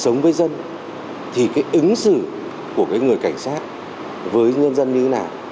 sống với dân thì cái ứng xử của cái người cảnh sát với nhân dân như thế nào